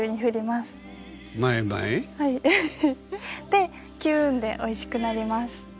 でキューンでおいしくなります。